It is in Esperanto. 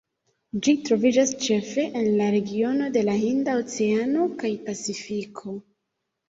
Ĝi troviĝas ĉefe en la regiono de la Hinda oceano kaj Pacifiko.